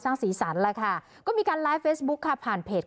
สีสันแล้วค่ะก็มีการไลฟ์เฟซบุ๊คค่ะผ่านเพจ